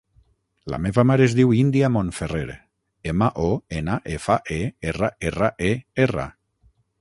La meva mare es diu Índia Monferrer: ema, o, ena, efa, e, erra, erra, e, erra.